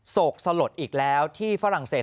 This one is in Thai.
โศกสลดอีกแล้วที่ฝรั่งเศส